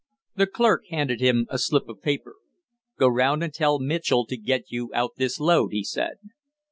The clerk handed him a slip of paper. "Go round and tell Mitchell to get you out this load!" he said.